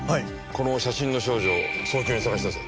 この写真の少女を早急に捜し出せ！